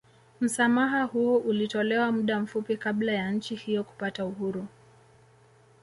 Msamaha huo ulitolewa muda mfupi kabla ya nchi hiyo kupata uhuru